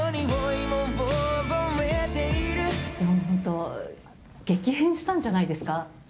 本当、激変したんじゃないですか？